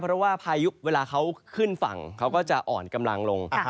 เพราะว่าพายุเวลาเขาขึ้นฝั่งเขาก็จะอ่อนกำลังลง